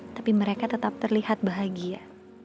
tapi mereka tetap terlihat bahagia